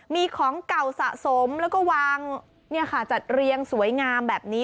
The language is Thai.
มีของเก่าสะสมแล้วก็วางจัดเรียงสวยงามแบบนี้